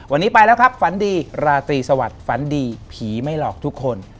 วันนี้ไปแล้วครับฝันดีราตรีสวัสดิ์ฝันดีผีไม่หลอกทุกคน